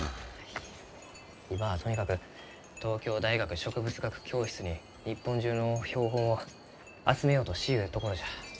今はとにかく東京大学植物学教室に日本中の標本を集めようとしゆうところじゃ。